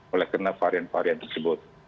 oleh karena varian varian tersebut